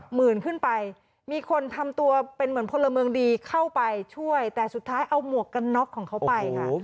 หมื่นขึ้นไปมีคนทำตัวเป็นเหมือนพลเมืองดีเข้าไปช่วยแต่สุดท้ายเอาหมวกกันน็อกของเขาไปค่ะ